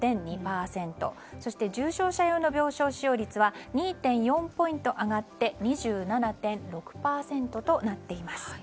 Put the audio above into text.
そして重症者用の病床使用率は２．４ポイント上がって２７．６％となっています。